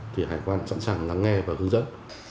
thì hải quan sẵn sàng lắng nghe và hướng dẫn